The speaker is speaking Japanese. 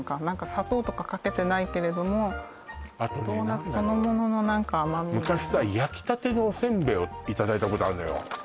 砂糖とかかけてないけれどもドーナツそのものの甘み昔さ焼きたてのおせんべいをいただいたことあるのよ